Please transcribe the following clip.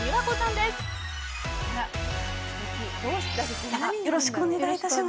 ではよろしくお願いいたします。